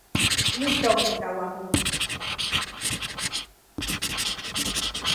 mi toki tawa mun.